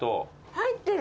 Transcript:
入ってる。